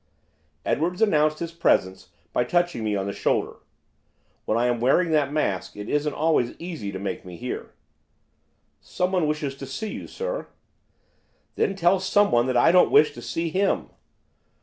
Edwards announced his presence by touching me on the shoulder, when I am wearing that mask it isn't always easy to make me hear. 'Someone wishes to see you, sir.' 'Then tell someone that I don't wish to see him.